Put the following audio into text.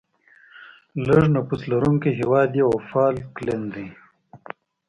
لیږ نفوس لرونکی هیواد یې وفالکلند دی.